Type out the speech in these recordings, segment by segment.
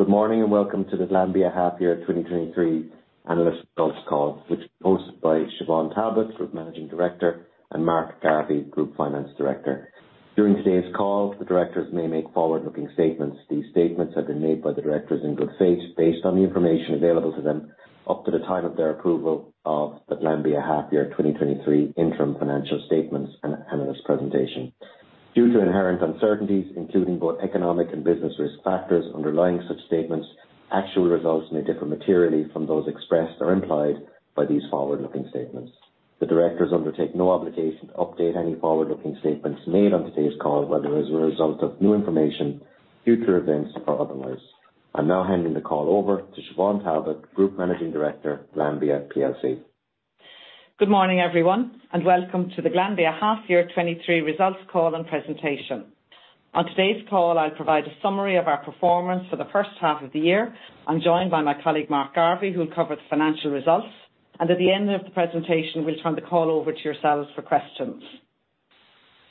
Good morning, and welcome to the Glanbia half year 2023 analyst results call, which is hosted by Siobhán Talbot, Group Managing Director, and Mark Garvey, Group Finance Director. During today's call, the directors may make forward-looking statements. These statements have been made by the directors in good faith, based on the information available to them up to the time of their approval of the Glanbia half year 2023 interim financial statements and analyst presentation. Due to inherent uncertainties, including both economic and business risk factors underlying such statements, actual results may differ materially from those expressed or implied by these forward-looking statements. The directors undertake no obligation to update any forward-looking statements made on today's call, whether as a result of new information, future events, or otherwise. I'm now handing the call over to Siobhán Talbot, Group Managing Director, Glanbia plc. Good morning, everyone, and welcome to the Glanbia half year 2023 results call and presentation. On today's call, I'll provide a summary of our performance for the first half of the year. I'm joined by my colleague, Mark Garvey, who will cover the financial results. At the end of the presentation, we'll turn the call over to yourselves for questions.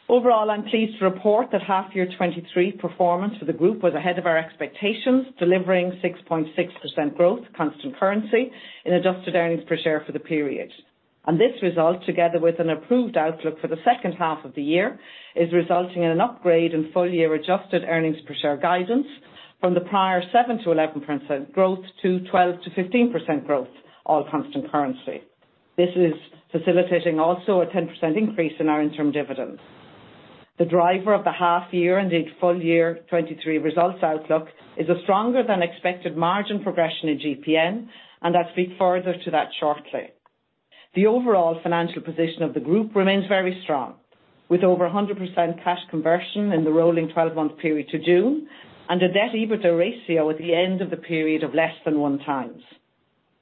Overall, I'm pleased to report that half year 2023 performance for the group was ahead of our expectations, delivering 6.6% growth, constant currency in adjusted earnings per share for the period. This result, together with an approved outlook for the second half of the year, is resulting in an upgrade in full-year adjusted earnings per share guidance from the prior 7% to 11% growth to 12% to 15% growth, all constant currency. This is facilitating also a 10% increase in our interim dividend. The driver of the half year, indeed, full year 2023 results outlook is a stronger than expected margin progression in GPN, and I'll speak further to that shortly. The overall financial position of the group remains very strong, with over 100% cash conversion in the rolling 12-month period to June, and a debt EBITDA ratio at the end of the period of less than one times.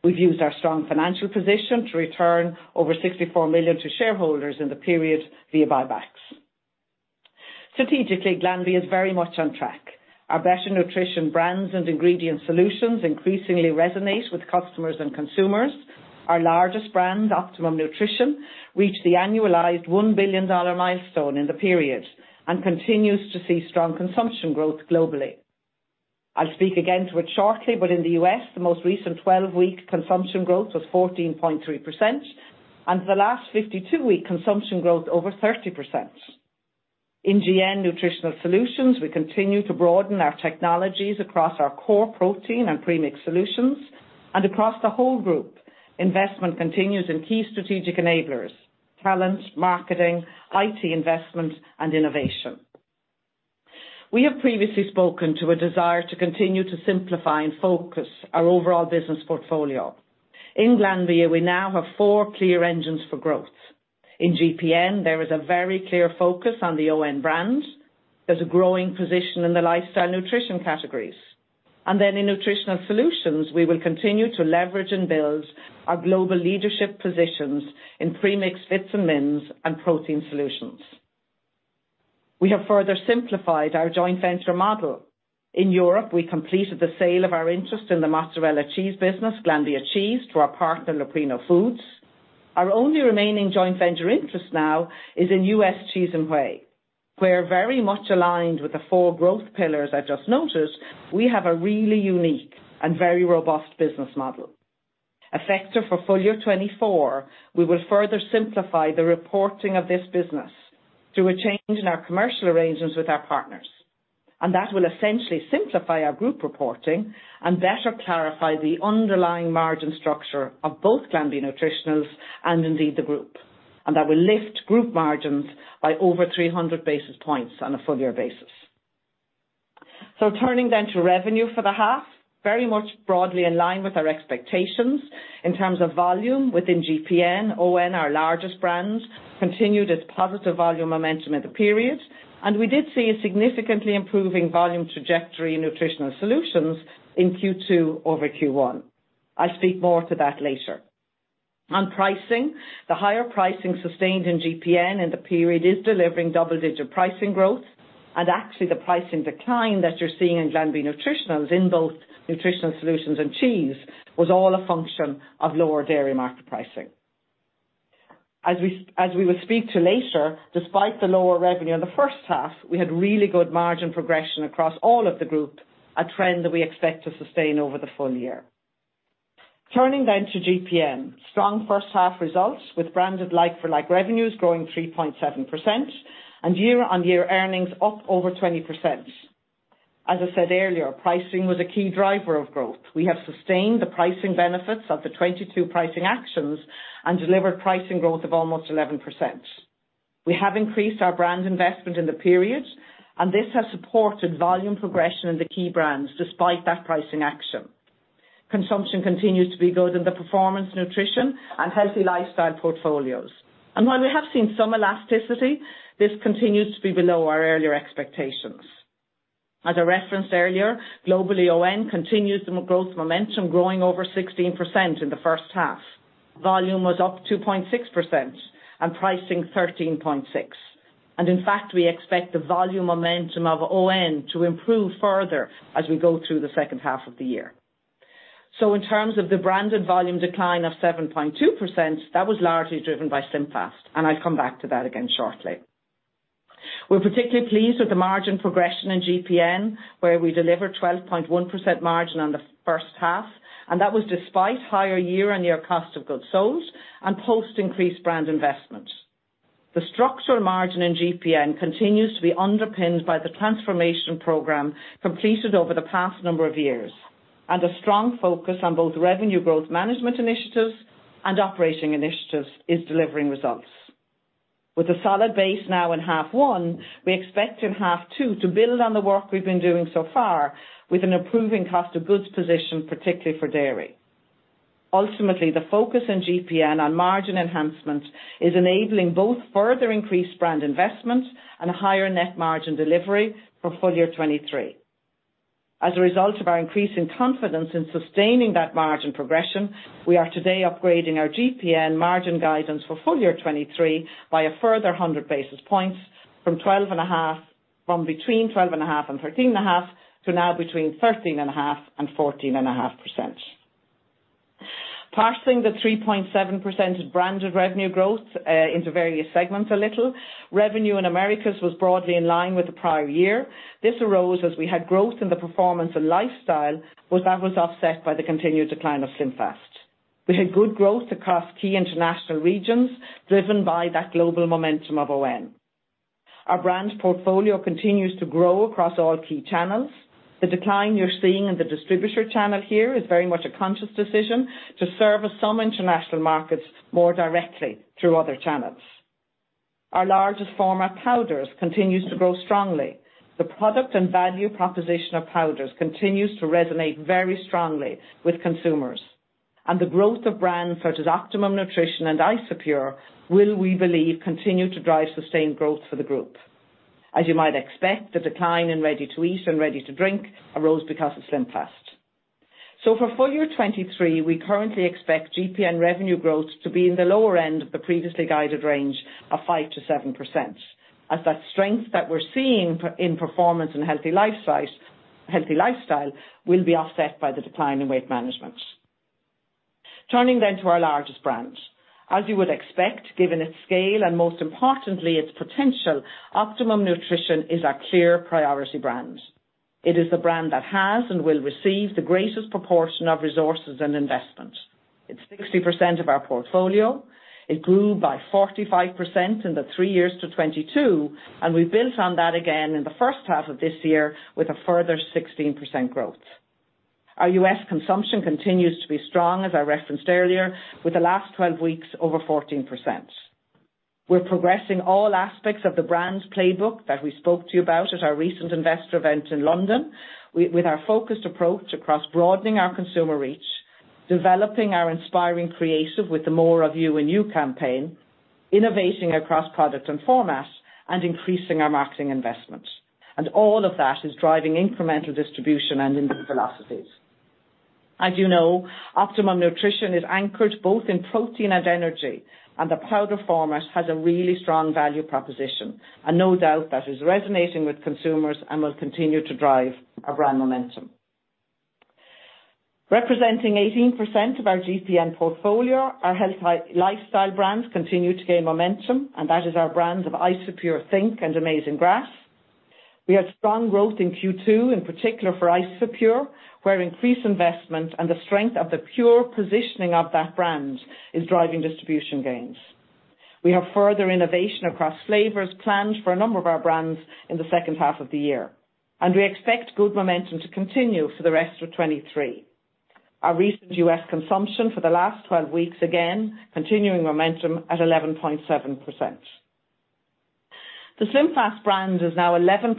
We've used our strong financial position to return over $64 million to shareholders in the period via buybacks. Strategically, Glanbia is very much on track. Our better nutrition brands and ingredient solutions increasingly resonate with customers and consumers. Our largest brand, Optimum Nutrition, reached the annualized $1 billion milestone in the period and continues to see strong consumption growth globally. I'll speak again to it shortly, but in the US, the most recent 12-week consumption growth was 14.3%, and for the last 52-week, consumption growth over 30%. In GN Nutritional Solutions, we continue to broaden our technologies across our core protein and premix solutions, and across the whole group, investment continues in key strategic enablers, talent, marketing, IT investment, and innovation. We have previously spoken to a desire to continue to simplify and focus our overall business portfolio. In Glanbia, we now have four clear engines for growth. In GPN, there is a very clear focus on the ON brand. There's a growing position in the lifestyle nutrition categories. In Nutritional Solutions, we will continue to leverage and build our global leadership positions in premixed vits and mins and protein solutions. We have further simplified our joint venture model. In Europe, we completed the sale of our interest in the mozzarella cheese business, Glanbia Cheese, to our partner, Leprino Foods. Our only remaining joint venture interest now is in US cheese and whey. We're very much aligned with the four growth pillars I just noted, we have a really unique and very robust business model. Effective for full year 2024, we will further simplify the reporting of this business through a change in our commercial arrangements with our partners, and that will essentially simplify our group reporting and better clarify the underlying margin structure of both Glanbia Nutritionals and indeed the group. That will lift group margins by over 300 basis points on a full year basis. Turning then to revenue for the half, very much broadly in line with our expectations in terms of volume within GPN, ON, our largest brand, continued its positive volume momentum at the period, and we did see a significantly improving volume trajectory in Nutritional Solutions in second quarter over first quarter. I'll speak more to that later. On pricing, the higher pricing sustained in GPN in the period is delivering double-digit pricing growth, and actually, the pricing decline that you're seeing in Glanbia Nutritionals, in both Nutritional Solutions and cheese, was all a function of lower dairy market pricing. As we will speak to later, despite the lower revenue in the first half, we had really good margin progression across all of the group, a trend that we expect to sustain over the full year. Turning then to GPN. Strong first half results with branded like-for-like revenues growing 3.7%. Year-on-year earnings up over 20%. As I said earlier, pricing was a key driver of growth. We have sustained the pricing benefits of the 2022 pricing actions and delivered pricing growth of almost 11%. We have increased our brand investment in the period. This has supported volume progression in the key brands despite that pricing action. Consumption continues to be good in the Performance Nutrition, and healthy lifestyle portfolios. While we have seen some elasticity, this continues to be below our earlier expectations. As I referenced earlier, globally, ON continued the growth momentum, growing over 16% in the first half. Volume was up 2.6% and pricing, 13.6%. In fact, we expect the volume momentum of ON to improve further as we go through the second half of the year. In terms of the branded volume decline of 7.2%, that was largely driven by SlimFast, and I'll come back to that again shortly. We're particularly pleased with the margin progression in GPN, where we delivered 12.1% margin on the first half, and that was despite higher year-on-year cost of goods sold and post-increased brand investment. The structural margin in GPN continues to be underpinned by the transformation program completed over the past number of years, and a strong focus on both revenue growth management initiatives and operating initiatives is delivering results. With a solid base now in half one, we expect in half two to build on the work we've been doing so far, with an improving cost of goods position, particularly for dairy. Ultimately, the focus in GPN on margin enhancement is enabling both further increased brand investment and a higher net margin delivery for full year 2023. As a result of our increasing confidence in sustaining that margin progression, we are today upgrading our GPN margin guidance for full year 2023 by a further 100 basis points from between 12.5% and 13.5%, to now between 13.5% and 14.5%. Parsing the 3.7% branded revenue growth into various segments a little, revenue in Americas was broadly in line with the prior year. This arose as we had growth in the performance and lifestyle, That was offset by the continued decline of SlimFast. We had good growth across key international regions, driven by that global momentum of ON. Our brand portfolio continues to grow across all key channels. The decline you're seeing in the distributor channel here is very much a conscious decision to service some international markets more directly through other channels. Our largest format, powders, continues to grow strongly. The product and value proposition of powders continues to resonate very strongly with consumers, The growth of brands such as Optimum Nutrition and Isopure, will, we believe, continue to drive sustained growth for the group. As you might expect, the decline in ready-to-eat and ready-to-drink arose because of SlimFast. For full year 2023, we currently expect GPN revenue growth to be in the lower end of the previously guided range of 5% to 7%, as that strength that we're seeing in performance and healthy lifestyle, healthy lifestyle, will be offset by the decline in weight management. Turning to our largest brand. As you would expect, given its scale and most importantly, its potential, Optimum Nutrition is our clear priority brand. It is the brand that has and will receive the greatest proportion of resources and investment. It's 60% of our portfolio, it grew by 45% in the three years to 2022, and we built on that again in the first half of this year with a further 16% growth. Our US consumption continues to be strong, as I referenced earlier, with the last 12 weeks over 14%. We're progressing all aspects of the brand's playbook that we spoke to you about at our recent investor event in London, with our focused approach across broadening our consumer reach, developing our inspiring creative with the More of You in You campaign, innovating across product and format, and increasing our marketing investment. All of that is driving incremental distribution and individual velocities. As you know, Optimum Nutrition is anchored both in protein and energy, and the powder format has a really strong value proposition, and no doubt that is resonating with consumers and will continue to drive our brand momentum. Representing 18% of our GPN portfolio, our lifestyle brands continue to gain momentum, and that is our brands of Isopure, Think!, and Amazing Grass. We had strong growth in second quarter, in particular for Isopure, where increased investment and the strength of the pure positioning of that brand is driving distribution gains. We have further innovation across flavors planned for a number of our brands in the second half of the year. We expect good momentum to continue for the rest of 2023. Our recent US consumption for the last 12 weeks, again, continuing momentum at 11.7%. The SlimFast brand is now 11%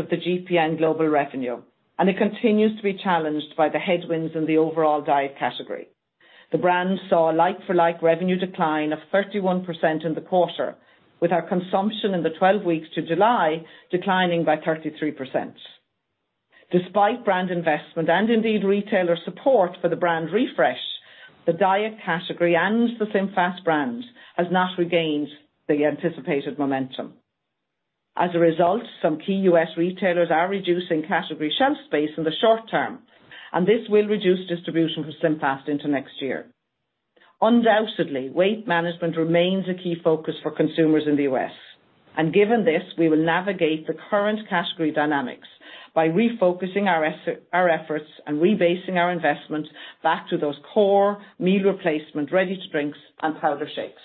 of the GPN global revenue. It continues to be challenged by the headwinds in the overall diet category. The brand saw a like-for-like revenue decline of 31% in the quarter, with our consumption in the 12 weeks to July declining by 33%. Despite brand investment and indeed, retailer support for the brand refresh, the diet category and the SlimFast brand has not regained the anticipated momentum. As a result, some key US retailers are reducing category shelf space in the short term, and this will reduce distribution for SlimFast into next year. Undoubtedly, weight management remains a key focus for consumers in the US, and given this, we will navigate the current category dynamics by refocusing our efforts and rebasing our investment back to those core meal replacement, ready-to-drinks, and powder shakes.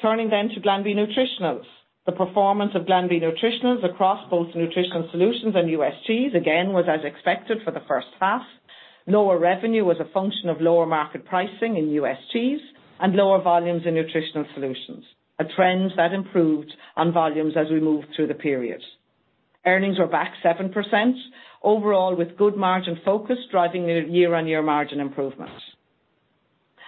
Turning to Glanbia Nutritionals. The performance of Glanbia Nutritionals across both Nutritional Solutions and US Cheese, again, was as expected for the first half. Lower revenue was a function of lower market pricing in US Cheese and lower volumes in Nutritional Solutions, a trend that improved on volumes as we moved through the period. Earnings were back 7% overall, with good margin focus driving the year-on-year margin improvement.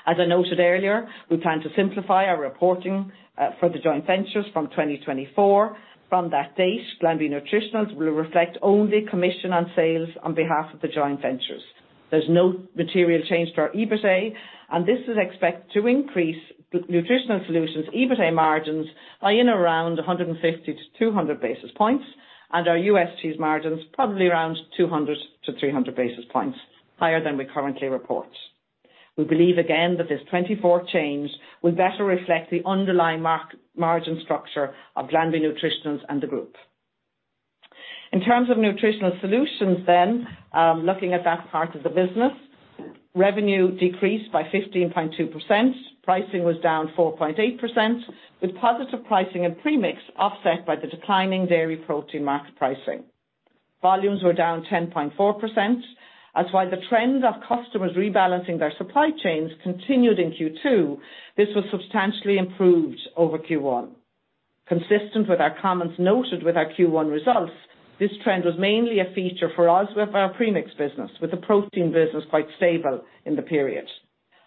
As I noted earlier, we plan to simplify our reporting for the joint ventures from 2024. From that date, Glanbia Nutritionals will reflect only commission on sales on behalf of the joint ventures. There's no material change to our EBITA, and this is expected to increase the Nutritional Solutions' EBITA margins by in around 150 to 200 basis points, and our US Cheese margins probably around 200 to 300 basis points higher than we currently report. We believe again that this 24 change will better reflect the underlying margin structure of Glanbia Nutritionals and the group. In terms of Nutritional Solutions, looking at that part of the business, revenue decreased by 15.2%, pricing was down 4.8%, with positive pricing and premix offset by the declining dairy protein market pricing. Volumes were down 10.4%. While the trend of customers rebalancing their supply chains continued in second quarter, this was substantially improved over first quarter. Consistent with our comments noted with our first quarter results, this trend was mainly a feature for us with our premix business, with the protein business quite stable in the period.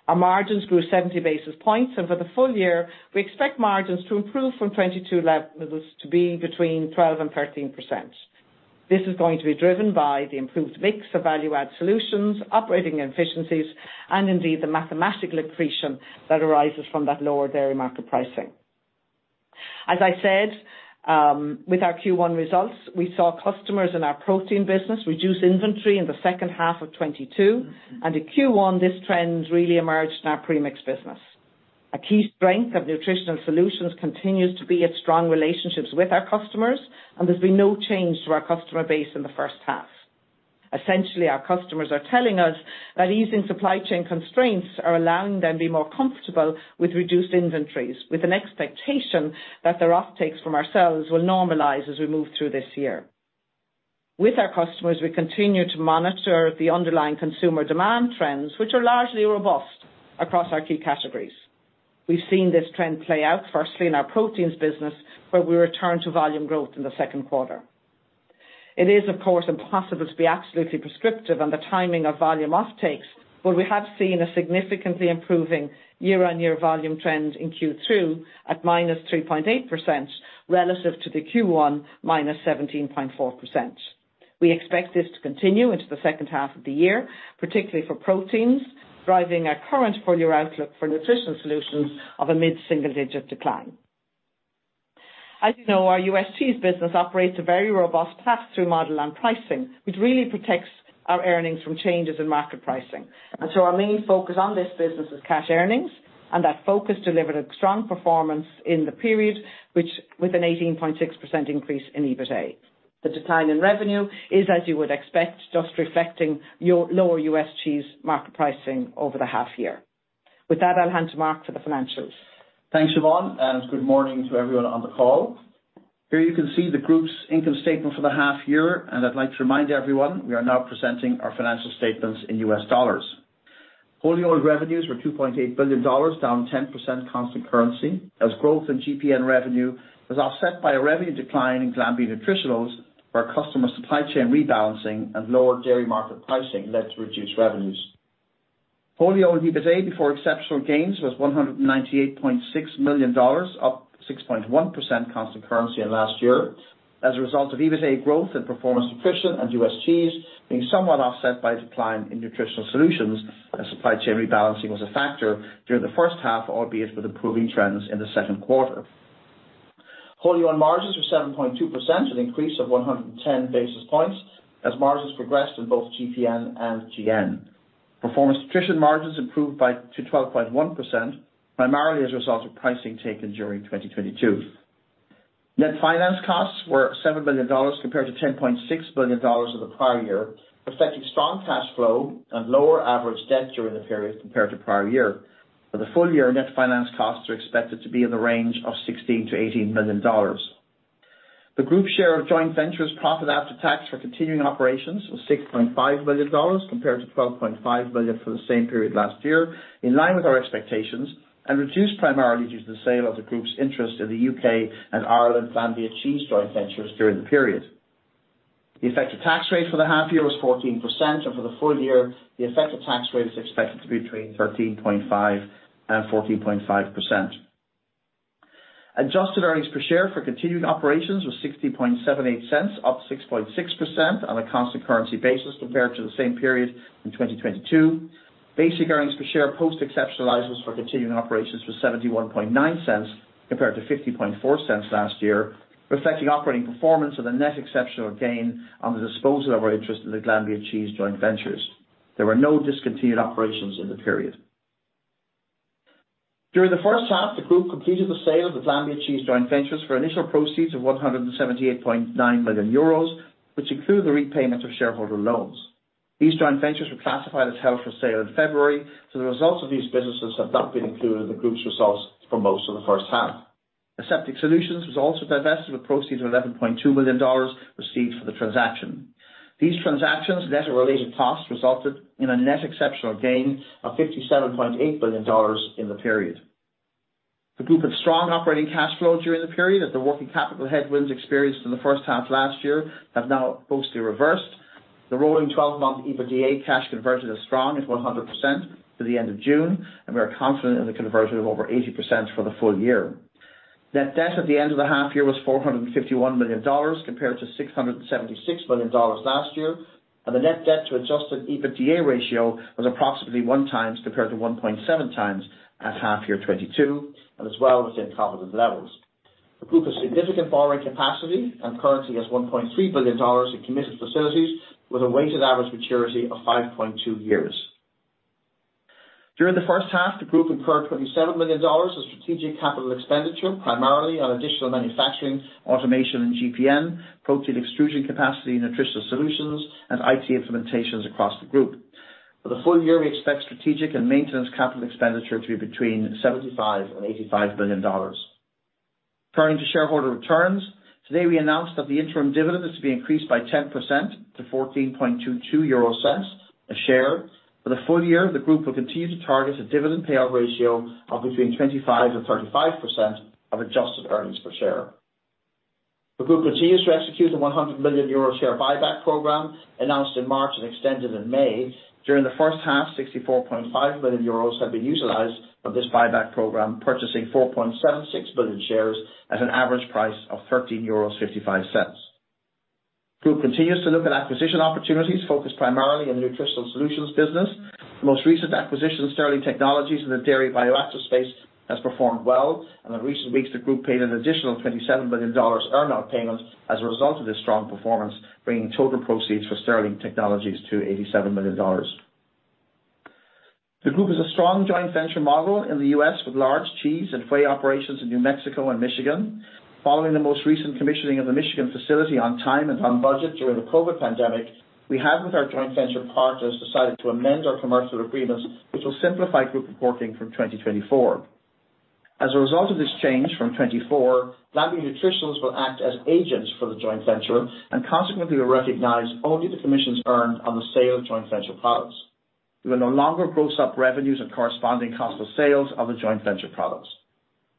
Our margins grew 70 basis points, and for the full year, we expect margins to improve from 2022 levels to be between 12% and 13%. This is going to be driven by the improved mix of value-added solutions, operating efficiencies, and indeed, the mathematical accretion that arises from that lower dairy market pricing. As I said, with our first quarter results, we saw customers in our protein business reduce inventory in the second half of 2022, and in first quarter, this trend really emerged in our premix business. A key strength of Nutritional Solutions continues to be its strong relationships with our customers, and there's been no change to our customer base in the first half. Essentially, our customers are telling us that easing supply chain constraints are allowing them to be more comfortable with reduced inventories, with an expectation that their offtakes from ourselves will normalize as we move through this year. With our customers, we continue to monitor the underlying consumer demand trends, which are largely robust across our key categories. We've seen this trend play out, firstly, in our proteins business, where we returned to volume growth in the second quarter. It is, of course, impossible to be absolutely prescriptive on the timing of volume offtakes, but we have seen a significantly improving year-on-year volume trend in second quarter at negative 3.8% relative to the first quarter negative 17.4%. We expect this to continue into the second half of the year, particularly for proteins, driving our current full year outlook for Nutritional Solutions of a mid-single-digit decline. As you know, our US Cheese business operates a very robust pass-through model on pricing, which really protects our earnings from changes in market pricing. Our main focus on this business is cash earnings, and that focus delivered a strong performance in the period, which with an 18.6% increase in EBITA. The decline in revenue is, as you would expect, just reflecting your lower US cheese market pricing over the half year. With that, I'll hand to Mark for the financials. Thanks, Siobhán, and good morning to everyone on the call. Here you can see the group's income statement for the half year, and I'd like to remind everyone, we are now presenting our financial statements in US dollars. Wholly owned revenues were $2.8 billion, down 10% constant currency, as growth in GPN revenue was offset by a revenue decline in Glanbia Nutritionals, where customer supply chain rebalancing and lower dairy market pricing led to reduced revenues. Wholly owned EBITA before exceptional gains was $198.6 million, up 6.1% constant currency in last year, as a result of EBITA growth and performance nutrition and US Cheese being somewhat offset by a decline in Nutritional Solutions, as supply chain rebalancing was a factor during the first half, albeit with improving trends in the second quarter. Wholly owned margins were 7.2%, an increase of 110 basis points, as margins progressed in both GPN and GN. Performance nutrition margins improved to 12.1%, primarily as a result of pricing taken during 2022. Net finance costs were $7 billion compared to $10.6 billion in the prior year, reflecting strong cash flow and lower average debt during the period compared to prior year. For the full year, net finance costs are expected to be in the range of $16 to 18 million. The group share of joint ventures, profit after tax for continuing operations was $6.5 billion compared to $12.5 billion for the same period last year, in line with our expectations, and reduced primarily due to the sale of the group's interest in the U.K. and Ireland Glanbia Cheese joint ventures during the period. The effective tax rate for the half year was 14%, and for the full year, the effective tax rate is expected to be between 13.5% and 14.5%. Adjusted earnings per share for continuing operations were $0.6078, up 6.6% on a constant currency basis compared to the same period in 2022. Basic earnings per share, post-exceptional items for continuing operations were 0.719 compared to 0.504 last year, reflecting operating performance and a net exceptional gain on the disposal of our interest in the Glanbia Cheese joint ventures. There were no discontinued operations in the period. During the first half, the group completed the sale of the Glanbia Cheese joint ventures for initial proceeds of 178.9 million euros, which include the repayment of shareholder loans. These joint ventures were classified as held for sale in February, so the results of these businesses have not been included in the group's results for most of the first half. Aseptic Solutions was also divested, with proceeds of $11.2 million received for the transaction. These transactions, net of related costs, resulted in a net exceptional gain of $57.8 billion in the period. The group had strong operating cash flow during the period, as the working capital headwinds experienced in the first half last year have now mostly reversed. The rolling 12-month EBITDA cash conversion is strong at 100% for the end of June, and we are confident in the conversion of over 80% for the full year. Net debt at the end of the half year was $451 million, compared to $676 million last year, and the net debt to adjusted EBITDA ratio was approximately 1 times, compared to 1.7 times at half year 2022, and as well as within targeted levels. The group has significant borrowing capacity and currently has $1.3 billion in committed facilities with a weighted average maturity of 5.2 years. During the first half, the group incurred $27 million of strategic capital expenditure, primarily on additional manufacturing, automation and GPN, protein extrusion capacity, Nutritional Solutions, and IT implementations across the group. For the full year, we expect strategic and maintenance capital expenditure to be between $75 billion and $85 billion. Turning to shareholder returns, today, we announced that the interim dividend is to be increased by 10% to 0.1422 a share. For the full year, the group will continue to target a dividend payout ratio of between 25% and 35% of adjusted earnings per share. The group continues to execute a 100 million euro share buyback program announced in March and extended in May. During the first half, 64.5 million euros have been utilized of this buyback program, purchasing 4.76 billion shares at an average price of EUR 13.55. Group continues to look at acquisition opportunities, focused primarily in Nutritional Solutions business. The most recent acquisition, Sterling Technology, in the dairy bioactive space, has performed well, and in recent weeks, the group paid an additional $27 million earnout payment as a result of this strong performance, bringing total proceeds for Sterling Technology to $87 million. The group has a strong joint venture model in the US, with large cheese and whey operations in New Mexico and Michigan. Following the most recent commissioning of the Michigan facility on time and on budget during the COVID pandemic, we have, with our joint venture partners, decided to amend our commercial agreement, which will simplify group reporting from 2024. As a result of this change, from 2024, Glanbia Nutritionals will act as agents for the joint venture and consequently will recognize only the commissions earned on the sale of joint venture products. We will no longer gross up revenues and corresponding cost of sales of the joint venture products.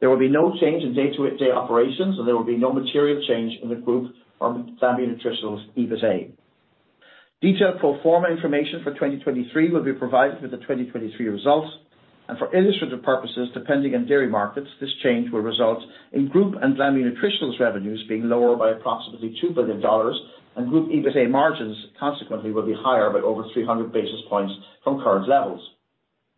There will be no change in day-to-day operations, and there will be no material change in the group from Glanbia Nutritionals' EBITA. Detailed pro forma information for 2023 will be provided with the 2023 results, and for illustrative purposes, depending on dairy markets, this change will result in group and Glanbia Nutritionals' revenues being lower by approximately $2 billion, and group EBITA margins consequently will be higher by over 300 basis points from current levels.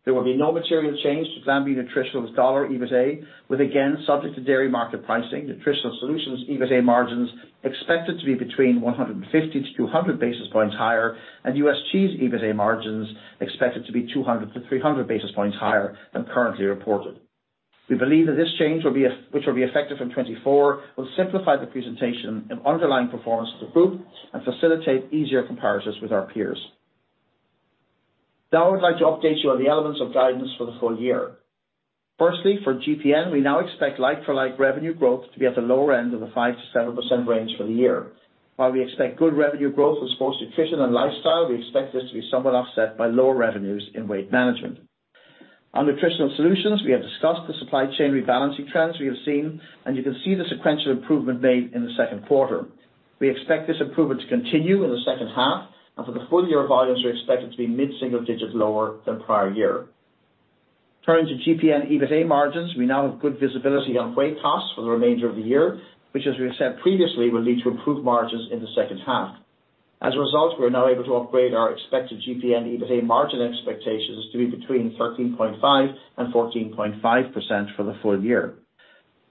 There will be no material change to Glanbia Nutritionals' dollar EBITA, with again, subject to dairy market pricing, Nutritional Solutions' EBITA margins expected to be between 150 to 200 basis points higher, and US cheese EBITA margins expected to be 200 to 300 basis points higher than currently reported. We believe that this change will be which will be effective in 2024, will simplify the presentation and underlying performance of the group and facilitate easier comparisons with our peers. Now, I would like to update you on the elements of guidance for the full year. Firstly, for GPN, we now expect like-for-like revenue growth to be at the lower end of the 5% to 7% range for the year. While we expect good revenue growth in sports, nutrition, and lifestyle, we expect this to be somewhat offset by lower revenues in weight management. On Nutritional Solutions, we have discussed the supply chain rebalancing trends we have seen, and you can see the sequential improvement made in the second quarter. We expect this improvement to continue in the second half, and for the full year, volumes are expected to be mid-single digit lower than prior year. Turning to GPN EBITA margins, we now have good visibility on whey costs for the remainder of the year, which, as we have said previously, will lead to improved margins in the second half. As a result, we're now able to upgrade our expected GPN EBITA margin expectations to be between 13.5% and 14.5% for the full year.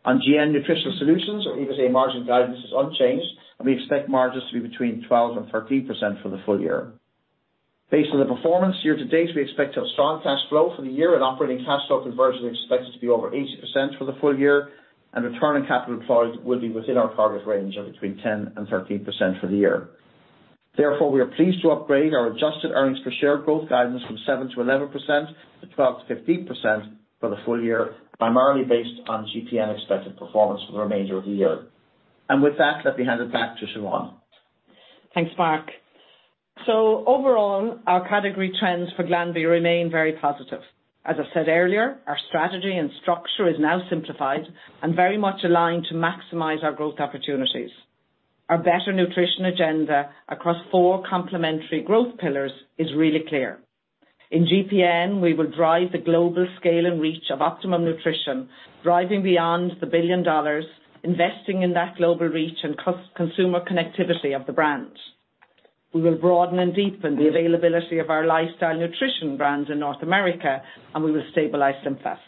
On GN Nutritional Solutions, our EBITA margin guidance is unchanged, and we expect margins to be between 12% and 13% for the full year. Based on the performance year to date, we expect a strong cash flow for the year, and operating cash flow conversion is expected to be over 80% for the full year, and return on capital employed will be within our target range of between 10% and 13% for the year. Therefore, we are pleased to upgrade our adjusted earnings per share growth guidance from 7% to 11% to 12% to 15% for the full year, primarily based on GPN expected performance for the remainder of the year. With that, let me hand it back to Siobhán. Thanks, Mark. Overall, our category trends for Glanbia remain very positive. As I said earlier, our strategy and structure is now simplified and very much aligned to maximize our growth opportunities. Our better nutrition agenda across four complementary growth pillars is really clear. In GPN, we will drive the global scale and reach of Optimum Nutrition, driving beyond $1 billion, investing in that global reach and consumer connectivity of the brand. We will broaden and deepen the availability of our lifestyle nutrition brands in North America, and we will stabilize SlimFast.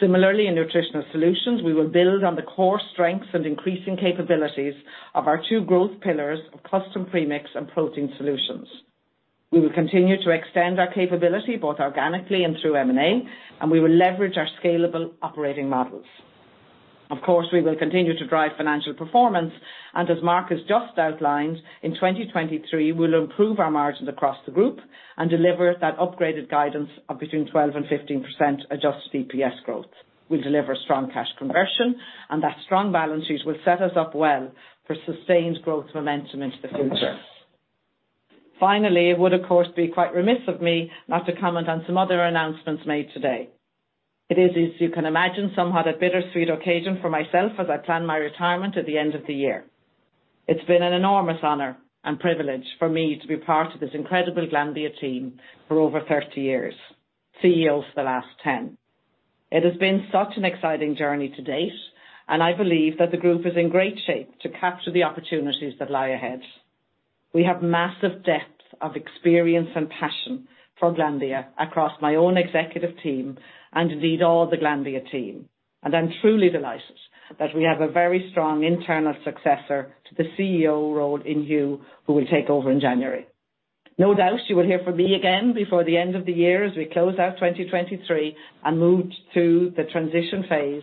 Similarly, in Nutritional Solutions, we will build on the core strengths and increasing capabilities of our two growth pillars of custom premix and protein solutions. We will continue to extend our capability, both organically and through M&A, and we will leverage our scalable operating models. Of course, we will continue to drive financial performance. As Mark has just outlined, in 2023, we'll improve our margins across the group and deliver that upgraded guidance of between 12% and 15% adjusted EPS growth. We'll deliver strong cash conversion, and that strong balance sheet will set us up well for sustained growth momentum into the future. Finally, it would, of course, be quite remiss of me not to comment on some other announcements made today. It is, as you can imagine, somewhat a bittersweet occasion for myself as I plan my retirement at the end of the year. It's been an enormous honor and privilege for me to be part of this incredible Glanbia team for over 30 years, CEO for the last 10. It has been such an exciting journey to date, and I believe that the group is in great shape to capture the opportunities that lie ahead. We have massive depth of experience and passion for Glanbia across my own executive team, and indeed, all the Glanbia team. I'm truly delighted that we have a very strong internal successor to the CEO role in Hugh, who will take over in January. No doubt you will hear from me again before the end of the year, as we close out 2023 and move to the transition phase.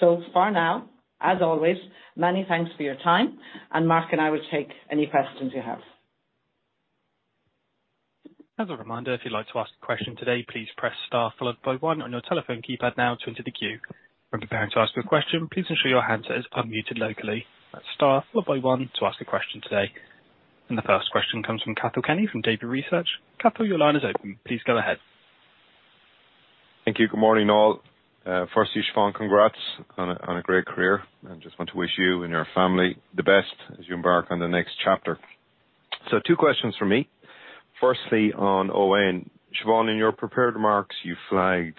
For now, as always, many thanks for your time, and Mark and I will take any questions you have. As a reminder, if you'd like to ask a question today, please press star followed by 1 on your telephone keypad now to enter the queue. When preparing to ask your question, please ensure your handset is unmuted locally. Press star followed by one to ask a question today. The first question comes from Cathal Kenny from Davy Research. Cathal, your line is open. Please go ahead. Thank you. Good morning, all. Firstly, Siobhán, congrats on a great career, and just want to wish you and your family the best as you embark on the next chapter. Two questions from me. Firstly, on ON. Siobhán, in your prepared remarks, you flagged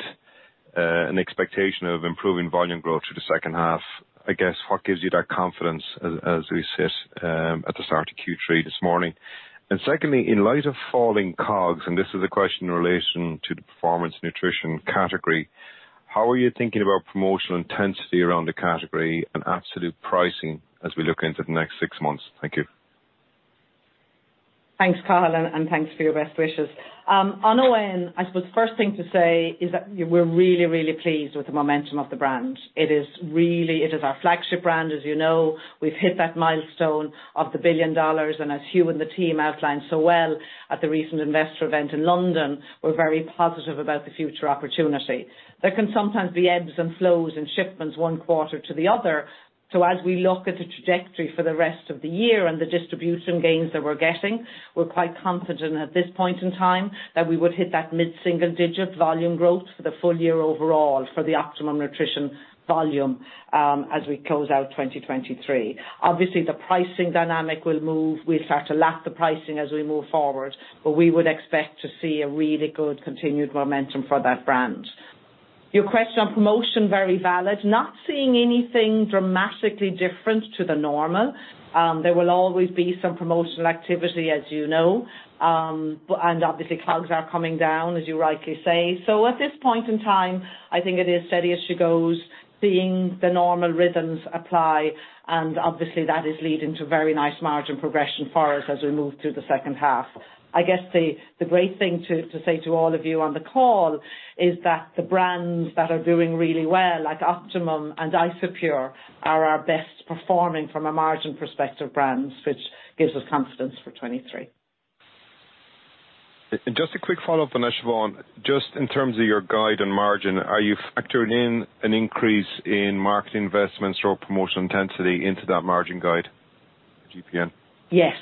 an expectation of improving volume growth through the second half. I guess, what gives you that confidence as, as we sit at the start of third quarter this morning? Secondly, in light of falling COGS, and this is a question in relation to the performance nutrition category, how are you thinking about promotional intensity around the category and absolute pricing as we look into the next six months? Thank you. Thanks, Cathal, and, and thanks for your best wishes. On ON, I suppose the first thing to say is that we're really, really pleased with the momentum of the brand. It is really. It is our flagship brand, as you know. We've hit that milestone of the $1 billion, and as Hugh and the team outlined so well at the recent investor event in London, we're very positive about the future opportunity. There can sometimes be ebbs and flows in shipments one quarter to the other. As we look at the trajectory for the rest of the year and the distribution gains that we're getting, we're quite confident at this point in time that we would hit that mid-single digit volume growth for the full year overall for the Optimum Nutrition volume, as we close out 2023. Obviously, the pricing dynamic will move. We'll start to lap the pricing as we move forward, but we would expect to see a really good continued momentum for that brand. Your question on promotion, very valid. Not seeing anything dramatically different to the normal. There will always be some promotional activity, as you know, and obviously, COGS are coming down, as you rightly say. At this point in time, I think it is steady as she goes, seeing the normal rhythms apply, and obviously, that is leading to very nice margin progression for us as we move through the second half. I guess the great thing to say to all of you on the call is that the brands that are doing really well, like Optimum and Isopure, are our best performing from a margin perspective brands, which gives us confidence for 2023. Just a quick follow-up on that, Siobhán. Just in terms of your guide and margin, are you factoring in an increase in marketing investments or promotional intensity into that margin guide, GPN? Yes.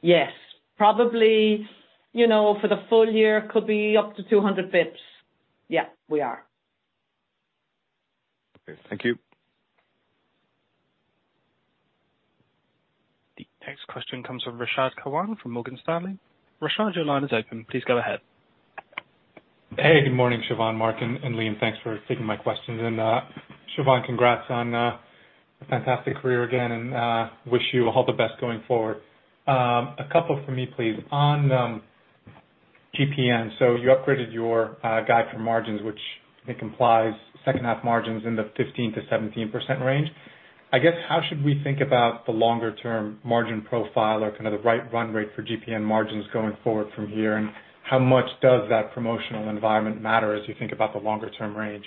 Yes. Probably, you know, for the full year, it could be up to 200 basis points. Yeah, we are. Okay, thank you. The next question comes from Rashad Kawan from Morgan Stanley. Rashad, your line is open. Please go ahead. Hey, good morning, Siobhán, Mark, and Liam. Thanks for taking my questions. Siobhán, congrats on a fantastic career again, and wish you all the best going forward. A couple from me, please. On GPN, you upgraded your guide for margins, which I think implies second half margins in the 15% to 17% range. I guess, how should we think about the longer-term margin profile or kind of the right run rate for GPN margins going forward from here? How much does that promotional environment matter as you think about the longer-term range?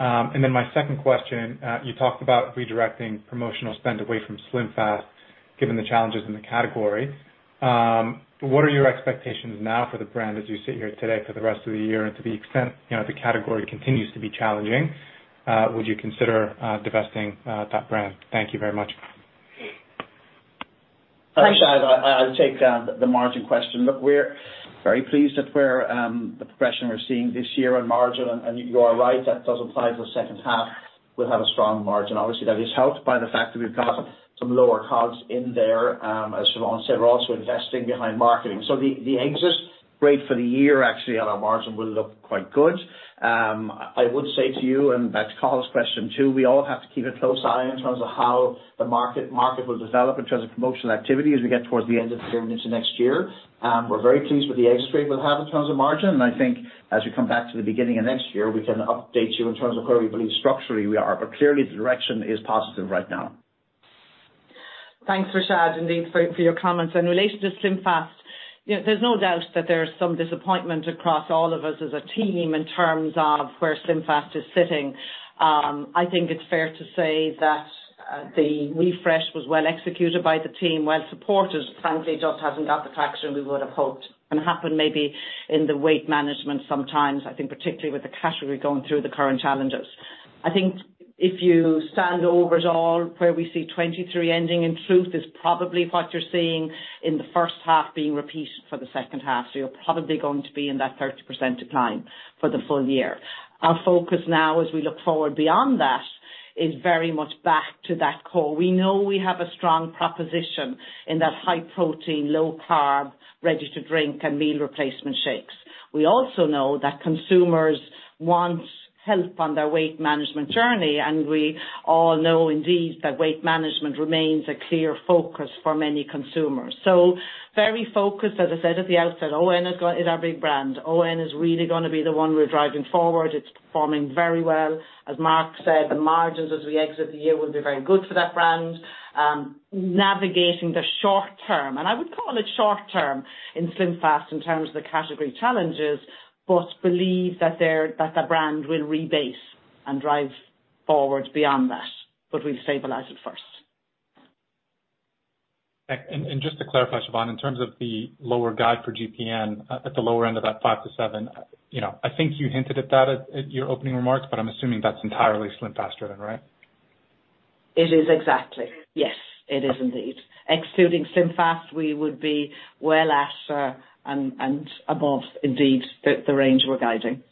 My second question, you talked about redirecting promotional spend away from SlimFast, given the challenges in the category. What are your expectations now for the brand as you sit here today for the rest of the year? To the extent, you know, the category continues to be challenging, would you consider divesting that brand? Thank you very much. Rashad, I, I'll take the margin question. Look, we're very pleased with where the progression we're seeing this year on margin, and you are right, that does apply to the second half. We'll have a strong margin. Obviously, that is helped by the fact that we've got some lower COGS in there. As Siobhán said, we're also investing behind marketing. The, the exit rate for the year actually on our margin will look quite good. I would say to you, and back to Cathal's question, too, we all have to keep a close eye in terms of how the market, market will develop in terms of promotional activity as we get towards the end of the year and into next year. We're very pleased with the exit rate we'll have in terms of margin, and I think as we come back to the beginning of next year, we can update you in terms of where we believe structurally we are, but clearly the direction is positive right now. Thanks, Rashad, indeed for, for your comments. In relation to SlimFast, you know, there's no doubt that there is some disappointment across all of us as a team in terms of where SlimFast is sitting. I think it's fair to say that the refresh was well executed by the team, well supported, frankly, just hasn't got the traction we would have hoped. It can happen maybe in the weight management sometimes, I think particularly with the category going through the current challenges. I think if you stand over it all, where we see 2023 ending, in truth, is probably what you're seeing in the first half being repeated for the second half. You're probably going to be in that 30% decline for the full year. Our focus now, as we look forward beyond that, is very much back to that core. We know we have a strong proposition in that high protein, low carb, ready-to-drink and meal replacement shakes. We also know that consumers want help on their weight management journey. We all know indeed, that weight management remains a clear focus for many consumers. Very focused, as I said at the outset, O.N. is our, is our big brand. O.N. is really gonna be the one we're driving forward. It's performing very well. As Mark said, the margins as we exit the year, will be very good for that brand. Navigating the short term, I would call it short term in SlimFast, in terms of the category challenges, believe that the brand will rebase and drive forward beyond that, we'll stabilize it first. And just to clarify, Siobhán, in terms of the lower guide for GPN at the lower end of that five to seven, you know, I think you hinted at that at, at your opening remarks, but I'm assuming that's entirely SlimFast driven, right? It is exactly. Yes, it is indeed. Excluding SlimFast, we would be well after and, and above indeed, the, the range we're guiding.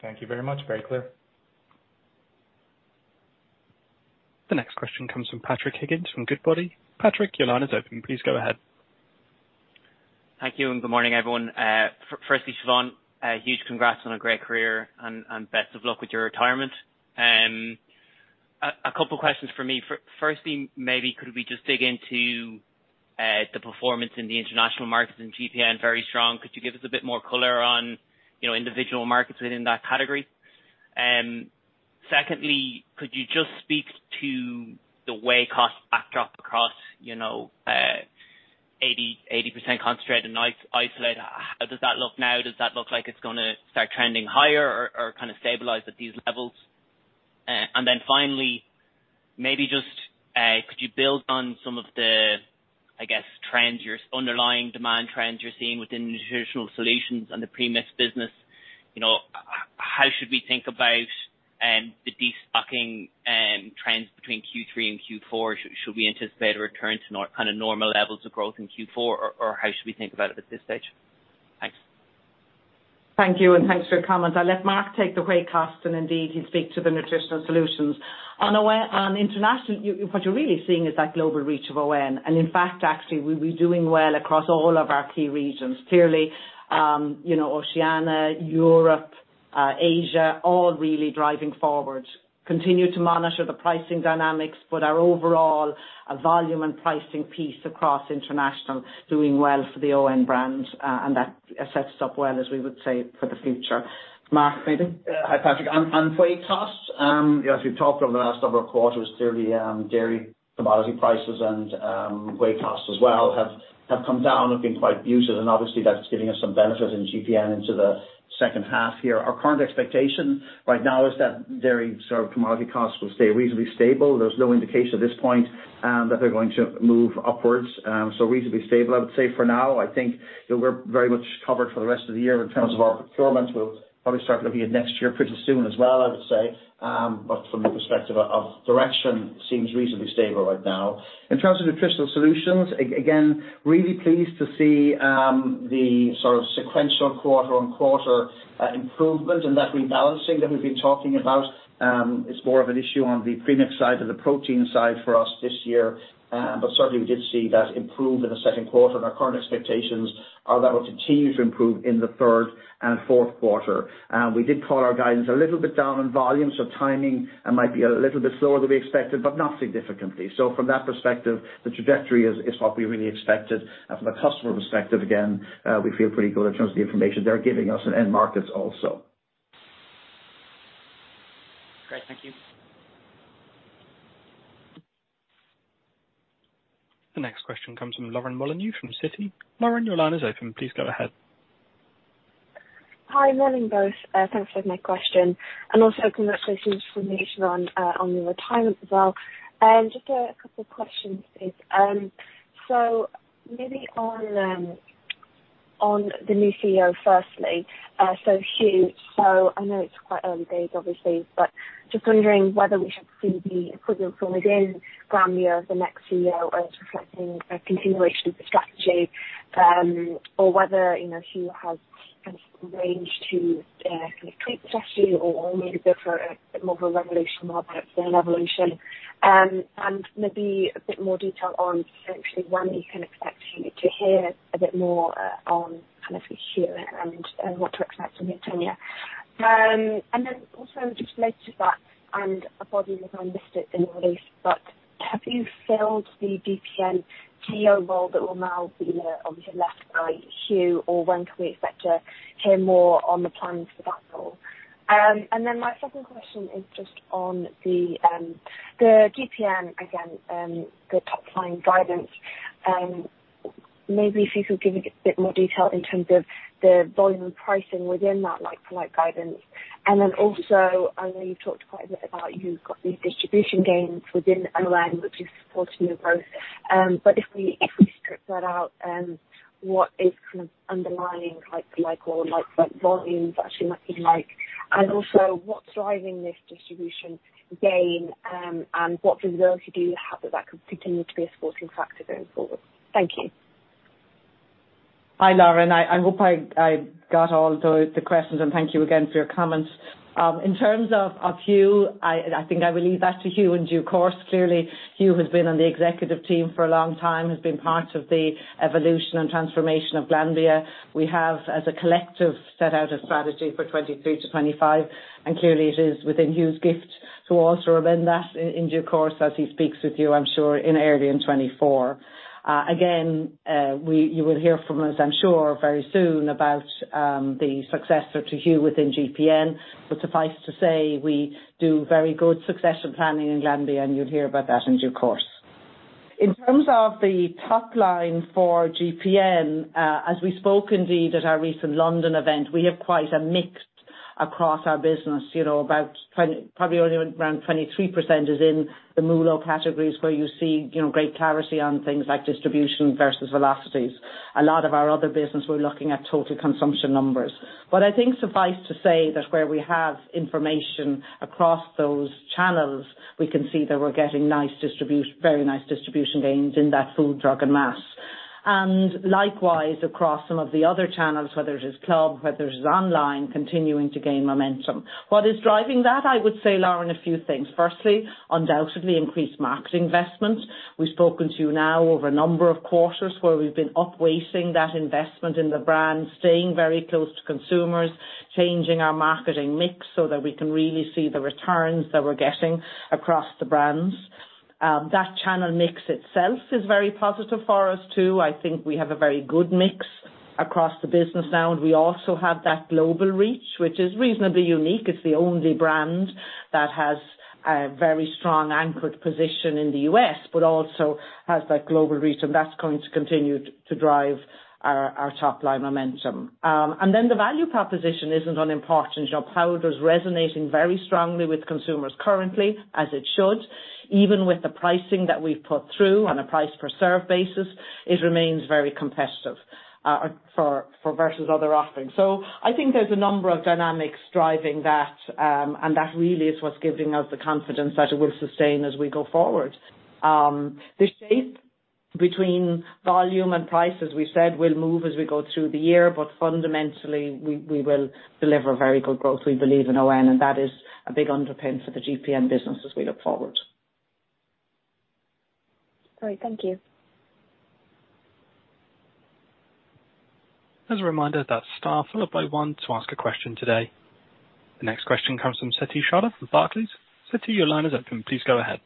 Thank you very much. Very clear. The next question comes from Patrick Higgins from Goodbody. Patrick, your line is open. Please go ahead. Thank you. Good morning, everyone. Firstly, Siobhán, a huge congrats on a great career and best of luck with your retirement. A couple questions for me. Firstly, maybe could we just dig into the performance in the international markets and GPN, very strong? Could you give us a bit more color on, you know, individual markets within that category? Secondly, could you just speak to the whey cost backdrop across, you know, 80% concentrate and isolate? How does that look now? Does that look like it's gonna start trending higher or kind of stabilize at these levels? Then finally, maybe just, could you build on some of the, I guess, trends you're underlying demand trends you're seeing within Nutritional Solutions and the premix business? You know, how should we think about the destocking trends between third quarter and fourth quarter? Should we anticipate a return to kind of normal levels of growth in fourth quarter, or, or how should we think about it at this stage? Thanks. Thank you, and thanks for your comments. I'll let Mark take the whey costs and indeed, he'll speak to the Nutritional Solutions. On international, what you're really seeing is that global reach of O.N., and in fact, actually, we're doing well across all of our key regions. Clearly, you know, Oceania, Europe, Asia, all really driving forward. Continue to monitor the pricing dynamics, but our overall volume and pricing piece across international, doing well for the O.N. brands, and that sets us up well, as we would say, for the future. Mark, maybe? Hi, Patrick. On, on whey costs, as we've talked over the last couple of quarters, clearly, dairy commodity prices and whey costs as well, have, have come down, looking quite useless, and obviously that's giving us some benefit in GPN into the second half here. Our current expectation right now is that dairy sort of commodity costs will stay reasonably stable. There's no indication at this point that they're going to move upwards. Reasonably stable, I would say for now. I think that we're very much covered for the rest of the year in terms of our procurement. We'll probably start looking at next year pretty soon as well, I would say. From the perspective of, of direction, seems reasonably stable right now. In terms of Nutritional Solutions, again, really pleased to see the sort of sequential quarter-on-quarter improvement and that rebalancing that we've been talking about. It's more of an issue on the premix side than the protein side for us this year. Certainly we did see that improve in the second quarter, and our current expectations are that it will continue to improve in the third and fourth quarter. We did call our guidance a little bit down on volume, so timing might be a little bit slower than we expected, but not significantly. From that perspective, the trajectory is, is what we really expected. From a customer perspective, again, we feel pretty good in terms of the information they're giving us in end markets also. Great. Thank you. The next question comes from Lauren Molyneux, from Citi. Lauren, your line is open. Please go ahead. Hi, morning, both. Thanks for my question, and also congratulations from me on on your retirement as well. Just a couple of questions, please. So maybe on on the new CEO, firstly, so Hugh. So I know it's quite early days, obviously, but just wondering whether we should see the equivalent from within Glanbia, the next CEO, as reflecting a continuation of the strategy, or whether, you know, Hugh has kind of range to kind of tweak the strategy or maybe go for a more of a revolutionary model than evolution? Maybe a bit more detail on actually when we can expect to hear a bit more on kind of Hugh and what to expect from him telling you. Also just related to that, and I apologize if I missed it in the release, but have you filled the GPN CEO role that will now be, obviously left by Hugh, or when can we expect to hear more on the plans for that role? My second question is just on the, the GPN again, the top line guidance. Maybe if you could give a bit more detail in terms of the volume and pricing within that like-for-like guidance. Then also, I know you've talked quite a bit about you've got these distribution gains within O.N. which is supporting your growth. If we, if we strip that out, what is kind of underlying like-for-like or like-for-like volumes actually might be like? Also, what's driving this distribution gain, and what visibility do you have that that could continue to be a supporting factor going forward? Thank you. Hi, Lauren. I, I hope I, I got all the, the questions, and thank you again for your comments. In terms of Hugh, I, I think I will leave that to Hugh in due course. Clearly, Hugh has been on the executive team for a long time, has been part of the evolution and transformation of Glanbia. We have, as a collective, set out a strategy for 2023 to 2025, and clearly it is within Hugh's gift to also amend that in due course as he speaks with you, I'm sure, in early in 2024. Again, you will hear from us, I'm sure, very soon about the successor to Hugh within GPN. Suffice to say, we do very good succession planning in Glanbia, and you'll hear about that in due course. In terms of the top line for GPN, as we spoke indeed at our recent London event, we have quite a mix across our business. You know, probably only around 23% is in the MULO categories, where you see, you know, great clarity on things like distribution versus velocities. A lot of our other business, we're looking at total consumption numbers. I think suffice to say that where we have information across those channels, we can see that we're getting nice very nice distribution gains in that food, drug, and mass. Likewise, across some of the other channels, whether it is club, whether it is online, continuing to gain momentum. What is driving that? I would say, Lauren, a few things. Firstly, undoubtedly increased marketing investment. We've spoken to you now over a number of quarters where we've been upweighting that investment in the brand, staying very close to consumers, changing our marketing mix so that we can really see the returns that we're getting across the brands. That channel mix itself is very positive for us, too. I think we have a very good mix across the business now, and we also have that global reach, which is reasonably unique. It's the only brand that has a very strong anchored position in the US, but also has that global reach, and that's going to continue to drive our, our top line momentum. The value proposition isn't unimportant, you know, powder is resonating very strongly with consumers currently, as it should. Even with the pricing that we've put through on a price per serve basis, it remains very competitive for versus other offerings. I think there's a number of dynamics driving that, and that really is what's giving us the confidence that it will sustain as we go forward. The shape between volume and price, as we said, will move as we go through the year, but fundamentally, we will deliver very good growth, we believe in ON, and that is a big underpin for the GPN business as we look forward. Great. Thank you. As a reminder, that star followed by one to ask a question today. The next question comes from Sethi Shah from Barclays. Sethi, your line is open. Please go ahead.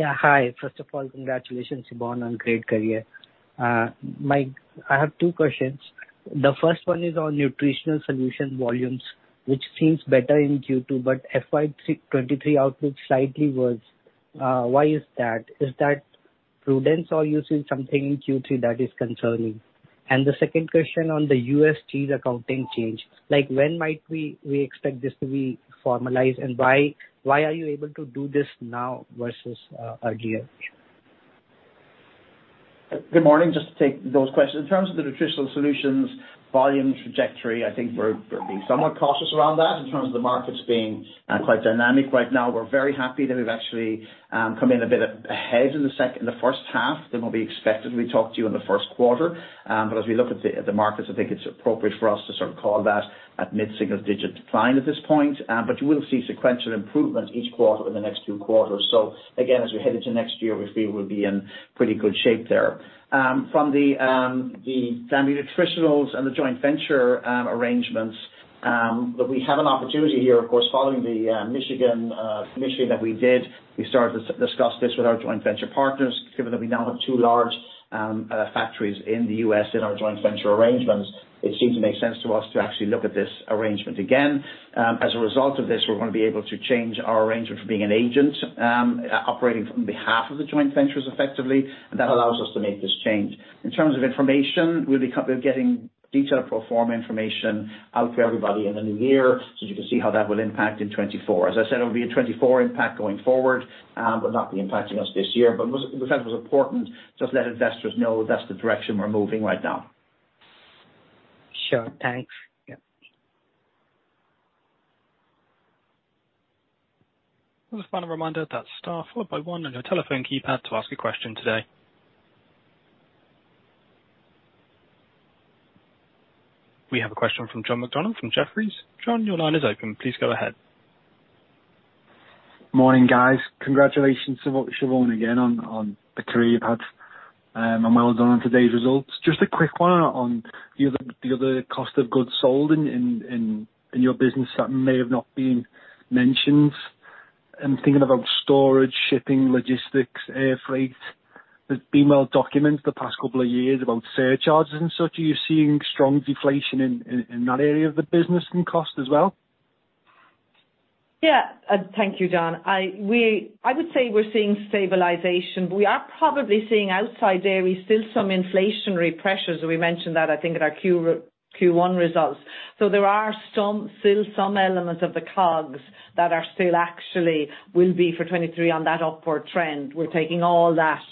Yeah, hi. First of all, congratulations, Siobhán, on a great career. I have two questions. The first one is on Nutritional Solutions volumes, which seems better in second quarter, but FY 2023 outlook slightly worse. Why is that? Is that prudence, or you see something in third quarter that is concerning? The second question on the US GAAP accounting change, like, when might we, we expect this to be formalized, and why, why are you able to do this now versus a year? Good morning. Just to take those questions. In terms of the Nutritional Solutions volume trajectory, I think we're, we're being somewhat cautious around that in terms of the markets being quite dynamic right now. We're very happy that we've actually come in a bit ahead in the first half than what we expected when we talked to you in the first quarter. As we look at the, at the markets, I think it's appropriate for us to sort of call that at mid-single digit decline at this point. You will see sequential improvement each quarter in the next two quarters. Again, as we head into next year, we feel we'll be in pretty good shape there. From the the family nutritionals and the joint venture arrangements, look, we have an opportunity here, of course, following the Michigan initiative that we did. We started to discuss this with our joint venture partners, given that we now have two large factories in the US in our joint venture arrangements, it seemed to make sense to us to actually look at this arrangement again. As a result of this, we're gonna be able to change our arrangement from being an agent, operating on behalf of the joint ventures effectively, and that allows us to make this change. In terms of information, we'll be getting detailed pro forma information out to everybody in the new year, so you can see how that will impact in 2024. As I said, it will be a 2024 impact going forward but not be impacting us this year. We thought it was important just to let investors know that's the direction we're moving right now. Sure. Thanks. Yeah. Just a final reminder that star followed by 1 on your telephone keypad to ask a question today. We have a question from John MacDonald from Jefferies. John, your line is open. Please go ahead. Morning, guys. Congratulations to Siobhán again on, on the career you've had, and well done on today's results. Just a quick one on the other, the other cost of goods sold in your business that may have not been mentioned. I'm thinking about storage, shipping, logistics, air freight. It's been well documented the past couple of years about surcharges and such. Are you seeing strong deflation in, in, in that area of the business and cost as well? Yeah. Thank you, John. I would say we're seeing stabilization. We are probably seeing outside dairy, still some inflationary pressures. We mentioned that, I think, in our first quarter results. There are some, still some elements of the COGS that are still actually will be for 2023 on that upward trend. We're taking all that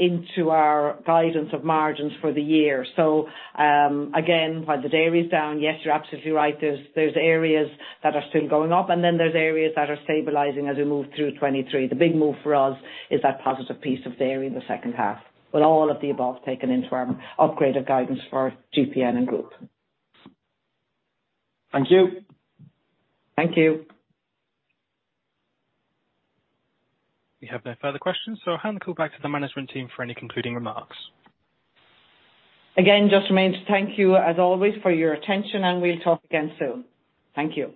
into our guidance of margins for the year. Again, while the dairy is down, yes, you're absolutely right. There's, there's areas that are still going up, and then there's areas that are stabilizing as we move through 2023. The big move for us is that positive piece of dairy in the second half, with all of the above taken into our upgraded guidance for GPN and group. Thank you. Thank you. We have no further questions, so I'll hand it back to the management team for any concluding remarks. Again, just remains, thank you as always, for your attention, and we'll talk again soon. Thank you.